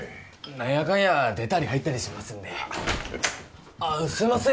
何やかんや出たり入ったりしますんですいません